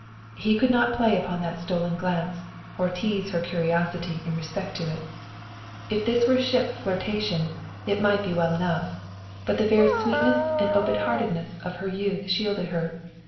He could not play upon that stolen glance or tease her curiosity in respect to it. If this were a ship flirtation, it might be well enough; but the very sweetness and open heartedness of her youth shielded her.